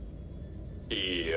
いいや。